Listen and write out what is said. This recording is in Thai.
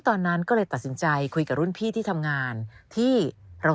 ตอนนั้นก็เลยตัดสินใจคุยกับรุ่นพี่ที่ทำงานที่เรา